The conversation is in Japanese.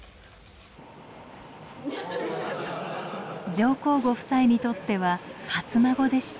上皇ご夫妻にとっては初孫でした。